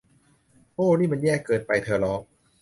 โอ้ นี่มัน แย่เกินไป ! เธอร้อง